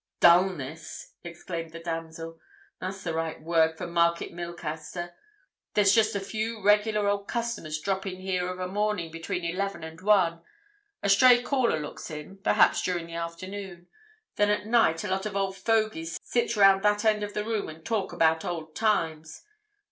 "Dulness!" exclaimed the damsel. "That's the right word for Market Milcaster. There's just a few regular old customers drop in here of a morning, between eleven and one. A stray caller looks in—perhaps during the afternoon. Then, at night, a lot of old fogies sit round that end of the room and talk about old times.